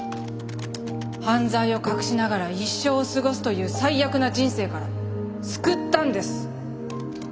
犯罪を隠しながら一生を過ごすという最悪な人生から救ったんです。